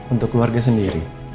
untuk keluarga sendiri